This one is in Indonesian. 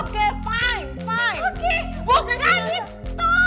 oke baiklah tante